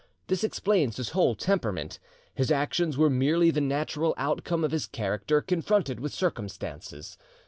This explains his whole temperament; his actions were merely the natural outcome of his character confronted with circumstances.